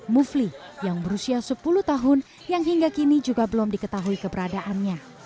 mufli yang berusia sepuluh tahun yang hingga kini juga belum diketahui keberadaannya